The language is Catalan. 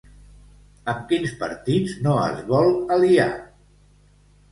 Amb quins partits no es vol aliar?